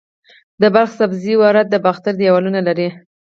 د بلخ سبزې وار د باختر دیوالونه لري